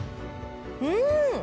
うん！